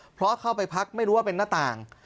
เพราะเข้าไปพักไม่รู้ว่าเป็นหน้าต่าง